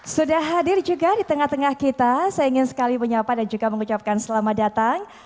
sudah hadir juga di tengah tengah kita saya ingin sekali menyapa dan juga mengucapkan selamat datang